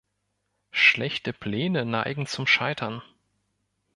Schlechte Pläne neigen zum Scheitern.